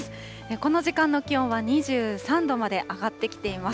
この時間の気温は２３度まで上がってきています。